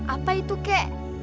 apa itu kek